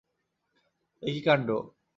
এ কী কাণ্ড!